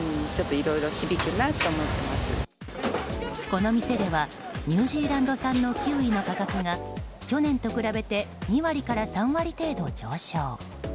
この店ではニュージーランド産のキウイの価格が去年と比べて２割から３割程度上昇。